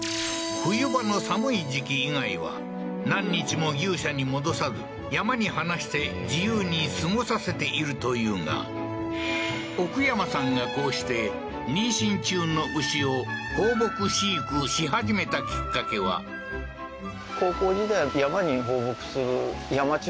冬場の寒い時期以外は何日も牛舎に戻さず山に放して自由に過ごさせているというが奥山さんがこうして妊娠中の牛を放牧飼育し始めたきっかけはやっぱりふーんええー？